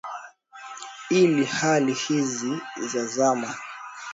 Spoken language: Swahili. ili hali hizi za zama